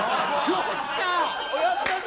「やったぜ！」